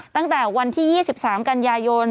ตั้งแต่วันที่๒๓กันยายน